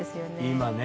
今ね。